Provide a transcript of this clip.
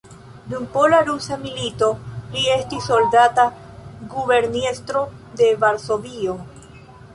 Dum pola-rusa milito li estis soldata guberniestro de Varsovio.